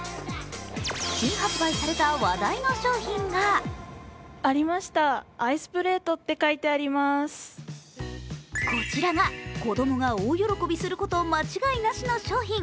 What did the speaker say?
新発売された話題の商品がこちらが、子供が大喜びすること間違いなしの商品。